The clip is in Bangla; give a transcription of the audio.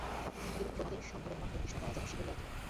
এরূপ প্রমাদের সম্ভাবনামাত্রে কৃষ্ণদয়াল যেন শিহরিয়া উঠিলেন।